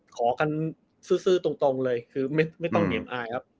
ขอกันซื่อตรงเลยคือไม่ต้องเหนียมอายครับ